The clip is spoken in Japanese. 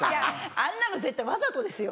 あんなの絶対わざとですよ。